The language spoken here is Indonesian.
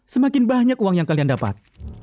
semakin banyak uang yang kalian dapat